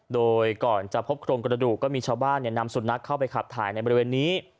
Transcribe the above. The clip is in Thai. โดยก่อนจะพบโครงกระดูกก็มีชาวบ้านนำสุนัขเข้าไปขับถ่ายในบริเวณนี้